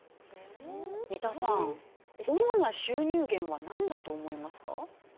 三田さん、主な収入源は何だと思いますか？